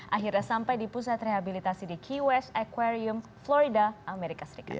akhirnya sampai di pusat rehabilitasi di key west aquarium florida amerika serikat